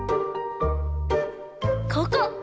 ここ！